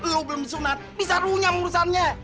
lu belum disunat bisa runyang urusannya